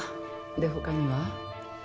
で他には？